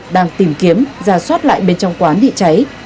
đang tìm kiếm ra soát lại bên trong quán bị cháy